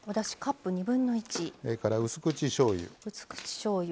それから、うす口しょうゆ。